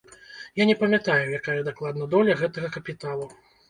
Я не памятаю, якая дакладна доля гэтага капіталу.